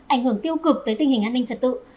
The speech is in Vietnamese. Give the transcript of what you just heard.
ảnh hưởng tiêu cực tới tình hình an ninh trật tự